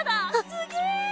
すげえ！